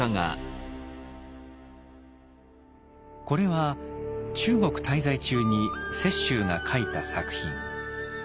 これは中国滞在中に雪舟が描いた作品。